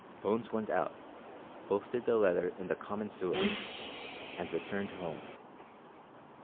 Bones went out, posted the letter in the common sewer, and returned home.